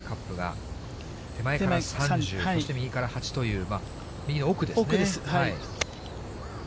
きょうは、カップが手前から３０、そして右から８という、奥です。